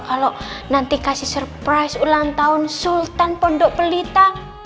kalau nanti kasih surprise ulang tahun sultan pondok pelita